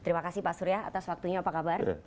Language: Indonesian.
terima kasih pak surya atas waktunya apa kabar